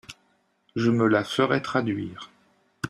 Je me la ferai traduire…